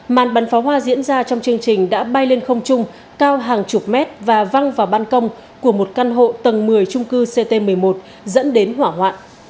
màn bắn pháo hoa diễn ra trong chương trình đã bay lên không chung cao hàng chục mét và văng vào ban công của một căn hộ tầng một mươi trung cư ct một mươi một dẫn đến hỏa hoạn